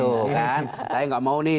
saya tidak mau nih